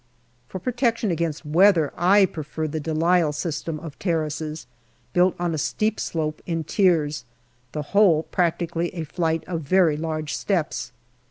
For protection against weather I prefer the de Lisle system of terraces, built on a steep slope in tiers, the whole practically a flight of very large steps.